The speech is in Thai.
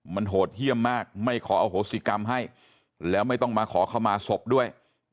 มันโหดเยี่ยมมากไม่ขออโหสิกรรมให้แล้วไม่ต้องมาขอเข้ามาศพด้วย